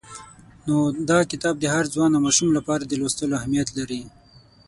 نو دا کتاب د هر ځوان او ماشوم لپاره د لوستلو اهمیت لري.